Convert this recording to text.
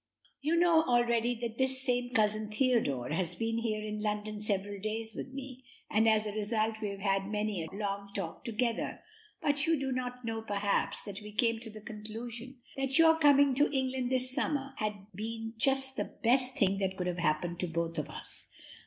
You know already that this same Cousin Theodore has been up here in London several days with me, and as a result we have had many a long talk together; but you do not know, perhaps, that we came to the conclusion that your coming to England this summer had been just the best thing that could have happened to both of us.